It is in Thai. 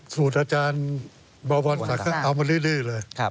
สูตรอาจารย์บรวมศักดิ์เอามาดื้อเลย